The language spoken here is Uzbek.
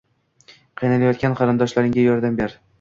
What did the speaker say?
Qiynalayotgan qarindoshlaringga yordam ber.